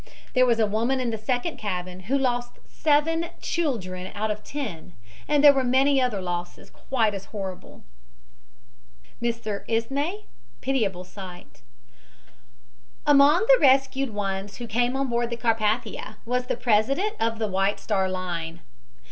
There was a woman in the second cabin who lost seven children out of ten, and there were many other losses quite as horrible. MR. ISMY "PITIABLE SIGHT" Among the rescued ones who came on board the Carpathia was the president of the White Star Line.